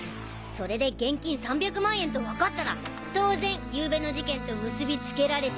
それで現金３００万円と分かったら当然ゆうべの事件と結びつけられて。